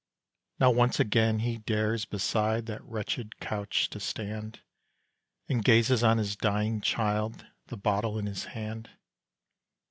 Now once again he dares beside That wretched couch to stand; And gazes on his dying child The bottle in his hand.